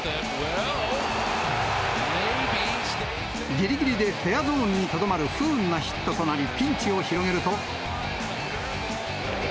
ぎりぎりでフェアゾーンにとどまる不運なヒットとなり、ピンチを広げると。